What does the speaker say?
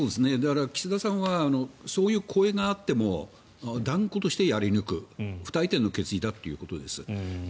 岸田さんはそういう声があっても断固としてやり抜く不退転の決意だということです。